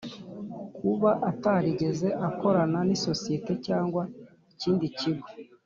kuba atarigeze akorana n’isosiyete cyangwa ikindi kigo,